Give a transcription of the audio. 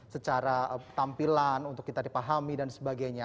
secara tampilan untuk kita dipahami dan sebagainya